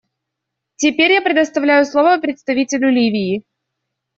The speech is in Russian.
Теперь я предоставляю слово представителю Ливии.